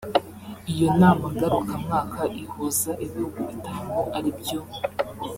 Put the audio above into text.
Iyo nama ngarukamwaka ihuza ibihugu bitanu ari byo